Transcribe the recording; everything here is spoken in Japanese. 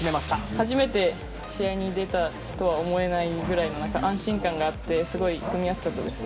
初めて試合に出たとは思えないぐらいの、安心感があって、すごい組みやすかったです。